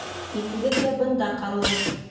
Икегеҙ ҙә бында ҡалығыҙ.